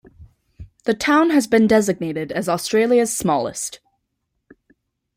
The town has been designated as Australia's smallest.